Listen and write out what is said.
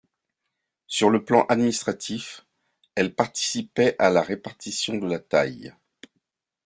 Sur le plan administratif, elles participaient à la répartition de la taille.